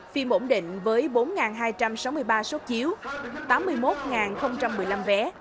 phim ổn định với bốn hai trăm sáu mươi ba xuất chiếu tám mươi một một mươi năm vé